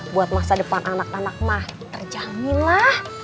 buat masa depan anak anak mah kerjaan nih lah